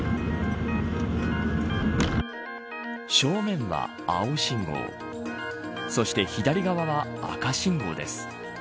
正面は、青信号そして左側は赤信号です。